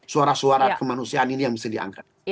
suara suara kemanusiaan ini yang bisa diangkat